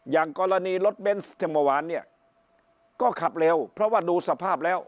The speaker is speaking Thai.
อย่างกรณีรถเบนส์เทมเมื่อวานเนี่ยก็ขับเร็วเพราะว่าดูสภาพแล้ว